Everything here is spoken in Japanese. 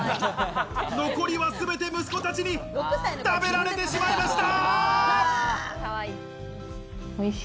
残りはすべて息子たちに食べられてしまいました。